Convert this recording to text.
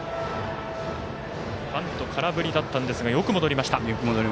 バント空振りだったんですがよく戻りました。